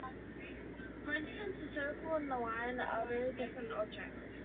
For instance, the circle and the line are very different objects.